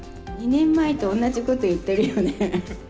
２年前と同じこと言ってるよね。